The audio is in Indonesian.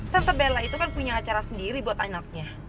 tante bela itu kan punya acara sendiri buat anaknya